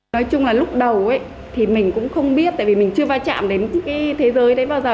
nói chung là lúc đầu thì mình cũng không biết tại vì mình chưa va chạm đến cái thế giới đấy bao giờ